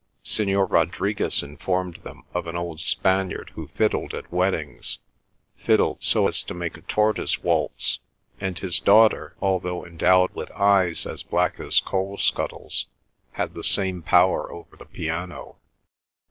Signor Rodriguez informed them of an old Spaniard who fiddled at weddings—fiddled so as to make a tortoise waltz; and his daughter, although endowed with eyes as black as coal scuttles, had the same power over the piano.